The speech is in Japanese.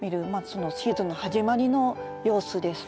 そのシーズンの始まりの様子です。